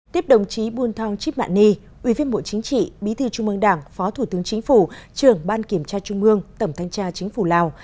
tiếp đồng chí bùn thong chít mạng ni ubnd bí thư trung mương đảng phó thủ tướng chính phủ trường ban kiểm tra trung mương tổng thanh tra chính phủ lào